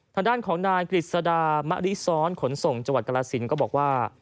ทางด้านของนายกฤษฎามะริซ้อนขนส่งจกรศิลป์ก็บอกว่า